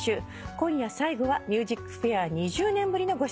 今夜最後は『ＭＵＳＩＣＦＡＩＲ』２０年ぶりのご出演となります